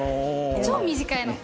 超短いの。